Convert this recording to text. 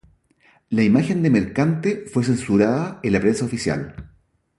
La imagen de Mercante fue censurada en la prensa oficial.